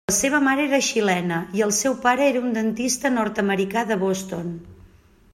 La seva mare era xilena i el seu pare era un dentista nord-americà de Boston.